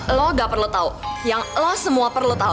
lo gak perlu tahu yang lo semua perlu tahu